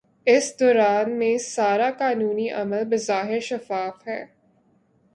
اس دوران میں سارا قانونی عمل بظاہر شفاف ہے۔